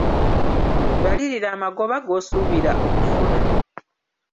Balirira amagoba g’osuubira okufuna.